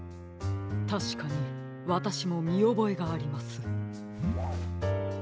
たしかにわたしもみおぼえがあります。